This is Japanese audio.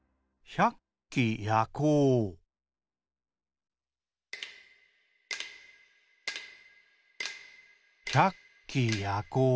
「ひゃっきやこう」。